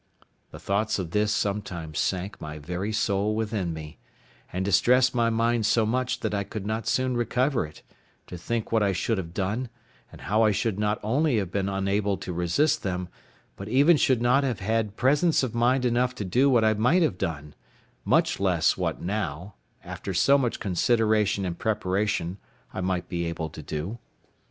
The thoughts of this sometimes sank my very soul within me, and distressed my mind so much that I could not soon recover it, to think what I should have done, and how I should not only have been unable to resist them, but even should not have had presence of mind enough to do what I might have done; much less what now, after so much consideration and preparation, I might be able to do.